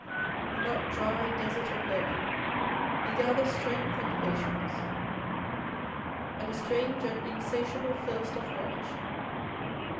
In that dry desert of learning, we gather strength and patience, and a strange and insatiable thirst of knowledge.